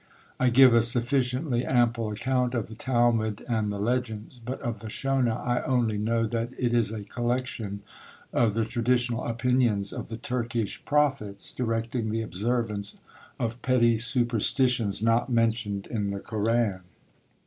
I give a sufficiently ample account of the TALMUD and the LEGENDS; but of the SONNAH I only know that it is a collection of the traditional opinions of the Turkish prophets, directing the observance of petty superstitions not mentioned in the Koran.